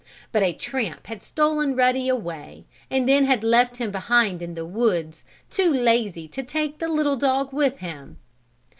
But a tramp had stolen Ruddy away, and then had left him behind in the woods, too lazy to take the little dog with him.